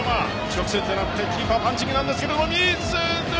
直接狙ってキーパー、パンチングなんですが水沼！